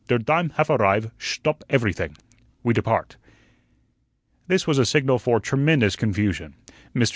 Der dime haf arrive, shtop eferyting. We depart." This was a signal for tremendous confusion. Mr.